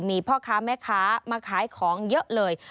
มีพ่อค้าแม่ค้ามาขายของเยอะเลย